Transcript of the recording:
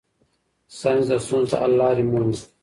ساینس د ستونزو د حل لارې مومي.